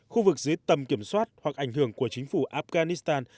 khu vực dưới tầm kiểm soát hoặc ảnh hưởng của chính phủ afghanistan